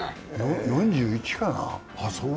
４１かな？